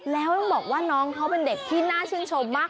แล้วต้องบอกว่าน้องเขาเป็นเด็กที่น่าชื่นชมมาก